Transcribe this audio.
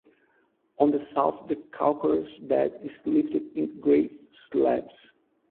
On the south, the calcareous bed is lifted in great slabs.